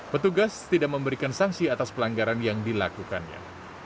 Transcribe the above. petugas tidak memberikan sanksi atas pelanggaran yang dilakukannya